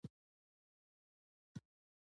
بادرنګ په اوړي کې ډیر خوړل کیږي